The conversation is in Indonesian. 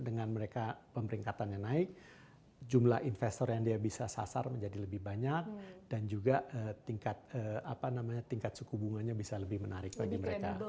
dengan mereka pemeringkatannya naik jumlah investor yang dia bisa sasar menjadi lebih banyak dan juga tingkat suku bunganya bisa lebih menarik bagi mereka